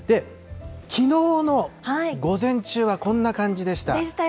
きのうの午前中はこんな感じでしでしたよね。